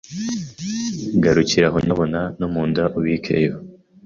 Garukira aho nyabuna Numa mu nda ubikeyo